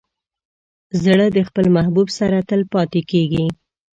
زړه د خپل محبوب سره تل پاتې کېږي.